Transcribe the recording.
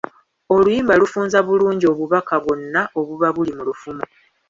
Oluyimba lufunza bulungi obubaka bwonna obuba buli mu lufumo.